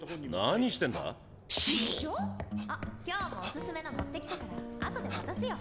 ・あ今日もおすすめの持ってきたからあとで渡すよ。